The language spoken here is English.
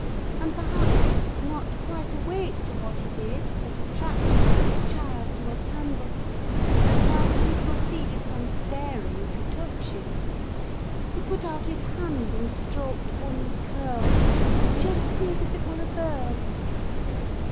And, perhaps, not quite awake to what he did, but attracted like a child to a candle, at last he proceeded from staring to touching; he put out his hand and stroked one curl, as gently as if it were a bird.